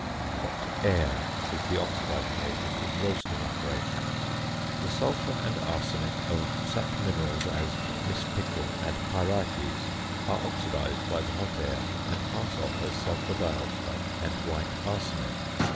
~Hot air~ is the oxidising agent in roasting operations. The sulphur and arsenic of such minerals as mispickel and pyrites are oxidised by the hot air and pass off as sulphur dioxide and "white arsenic."